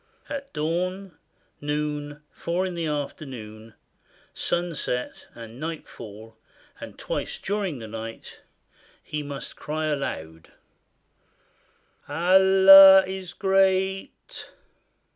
At dawn, noon, four in the afternoon, sunset, and night fall, and twice during the night, he must cry aloud, "Allah is great!